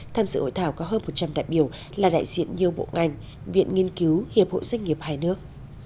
tham dự hội thảo có hơn một trăm linh đại biểu là đại diện nhiều bộ ngành viện nghiên cứu hiệp hội doanh nghiệp hai nước